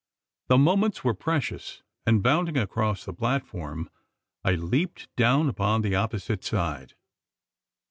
The moments were precious; and, bounding across the platform, I leaped down upon the opposite side.